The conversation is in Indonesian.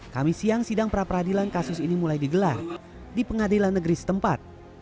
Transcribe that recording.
kami siang sidang pra peradilan kasus ini mulai digelar di pengadilan negeri setempat